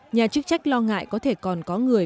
nhà chức trách lo ngại có thể còn có người